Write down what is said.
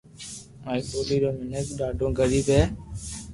ماري ٻولي رو مينک ڌاڌو غريب ھي